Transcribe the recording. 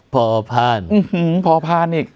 ป่อพราณ